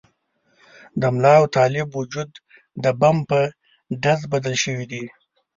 د ملا او طالب وجود د بم په ډز بدل شوي دي.